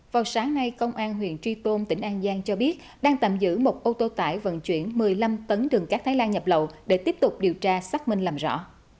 vào sáng nay công an huyện tri tôn tỉnh an giang cho biết đang tạm giữ một ô tô tải vận chuyển một mươi năm tấn đường cát thái lan nhập lậu để tiếp tục điều tra xác minh làm rõ